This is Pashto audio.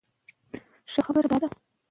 د خوړو پاتې شوني خوندي ځای کې کېږدئ.